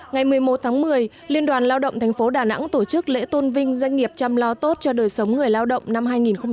ngày một mươi một tháng một mươi liên đoàn lao động tp đà nẵng tổ chức lễ tôn vinh doanh nghiệp chăm lo tốt cho đời sống người lao động năm hai nghìn một mươi chín